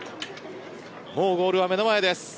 もうゴールは目の前です。